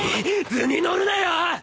図に乗るなよ！